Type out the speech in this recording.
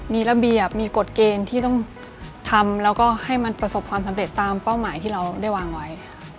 มีระเบียบมีกฎเกณฑ์ที่ต้องทำแล้วก็ให้มันประสบความสำเร็จตามเป้าหมายที่เราได้วางไว้